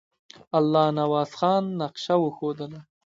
الله نواز خان نقشه وښودله.